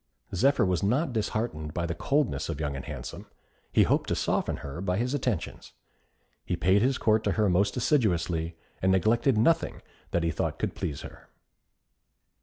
Zephyr was not disheartened by the coldness of Young and Handsome. He hoped to soften her by his attentions. He paid his court to her most assiduously, and neglected nothing that he thought could please her.